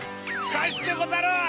かえすでござる！